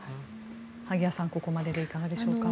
萩谷さん、ここまででいかがでしょうか。